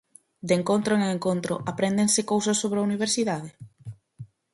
De encontro en encontro apréndense cousas sobre a universidade?